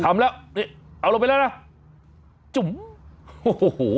ทำแล้วนี่เอาลงไปแล้วนะจุ่มโอ้โห